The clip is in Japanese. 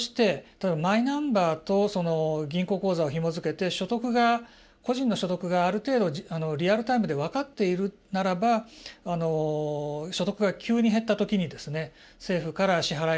例えば、マイナンバーと銀行口座をひもづけて個人の所得がある程度リアルタイムで分かってるならば所得が急に減ったときに政府から支払いができる。